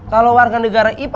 kalau warga negara ipa